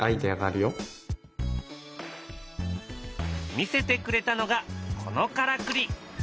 見せてくれたのがこのからくり。